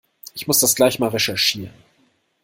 Ich muss das gleich mal recherchieren.